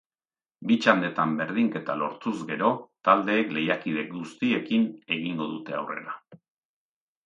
Bi txandetan berdinketa lortuz gero, taldeek lehiakide guztiekin egingo dute aurrera.